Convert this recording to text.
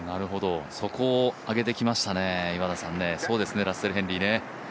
そこを挙げてきましたね、そうですね、ラッセル・ヘンリーね。